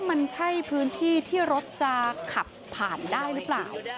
มันใช่พื้นที่ที่รถจะขับผ่านได้หรือเปล่า